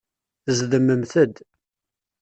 Tezdmemt-d.